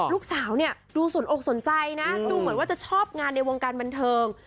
ลูกสาวเนี่ยดูสนอกสนใจนะดูเหมือนว่าจะชอบงานในวงการบันเทิง